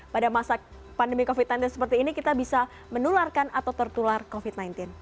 pada masa pandemi covid sembilan belas seperti ini kita bisa menularkan atau tertular covid sembilan belas